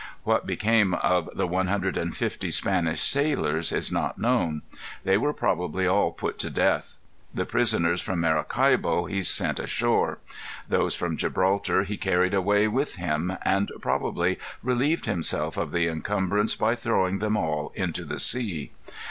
What became of the one hundred and fifty Spanish sailors, is not known. They were probably all put to death. The prisoners from Maracaibo he sent ashore. Those from Gibraltar he carried away with him, and probably relieved himself of the incumbrance by throwing them all into the sea.